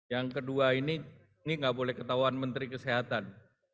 yang kedua ini ini nggak boleh ketahuan menteri kesehatan